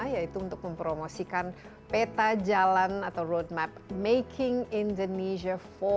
yaitu untuk mempromosikan peta jalan atau roadmap making indonesia empat